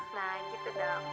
nah gitu dong